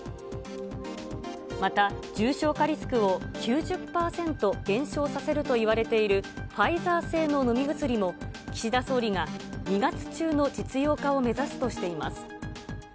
また、重症化リスクを９０％減少させるといわれているファイザー製の飲み薬も、岸田総理が２月中の実用化を目指すとしています。